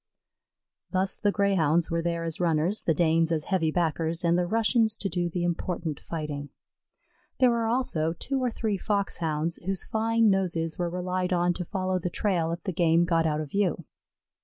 Thus the Greyhounds were there as runners, the Danes as heavy backers, and the Russians to do the important fighting. There were also two or three Foxhounds, whose fine noses were relied on to follow the trail if the game got out of view.